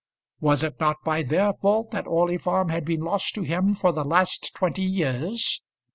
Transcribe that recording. Was it not by their fault that Orley Farm had been lost to him for the last twenty years?